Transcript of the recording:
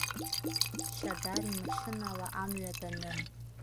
Џьадар имашьынала амҩа данын.